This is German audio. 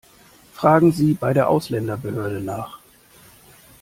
Fragen Sie bei der Ausländerbehörde nach!